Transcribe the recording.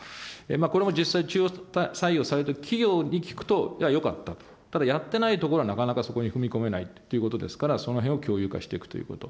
これも実際、中途採用される企業に聞くと、よかったと、ただやってないところはなかなかそこに踏み込めないということですから、そのへんを共有化していくということ。